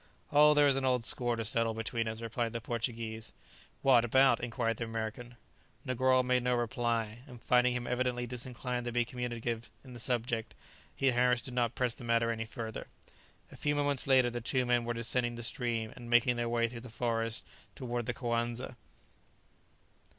"Oh, there is an old score to settle between us," replied the Portuguese. "What about?" inquired the American. Negoro made no reply, and finding him evidently disinclined to be communicative on the subject, Harris did not press the matter any further. A few moments later the two men were descending the stream, and making their way through the forest towards the Coanza.